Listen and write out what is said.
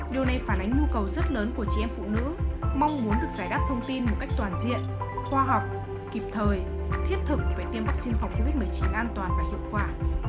điều này phản ánh nhu cầu rất lớn của chị em phụ nữ mong muốn được giải đáp thông tin một cách toàn diện khoa học kịp thời thiết thực về tiêm vaccine phòng covid một mươi chín an toàn và hiệu quả